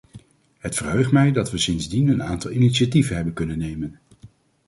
Het verheugt mij dat we sindsdien een aantal initiatieven hebben kunnen nemen.